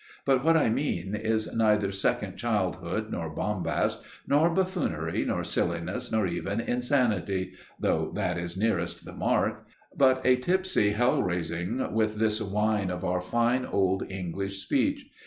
But what I mean is neither second childhood, nor bombast, nor buffoonery, nor silliness, nor even insanity though that is nearest the mark but a tipsy Hell raising with this wine of our fine old English speech.